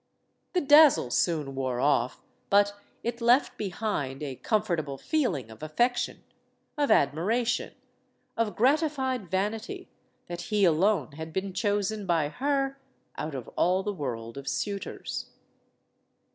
The dazzle soon wore off; but it left behind a comfortable feeling of affection, of admiration, of gratified vanity that he alone had been chosen by her, out of all the world of suitors.